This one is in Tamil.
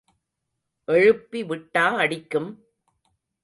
எழுப்பி விட்டா அடிக்கும்?